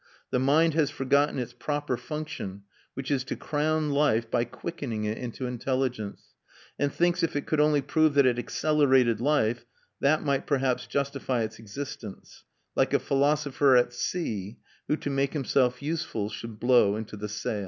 The mind has forgotten its proper function, which is to crown life by quickening it into intelligence, and thinks if it could only prove that it accelerated life, that might perhaps justify its existence; like a philosopher at sea who, to make himself useful, should blow into the sail.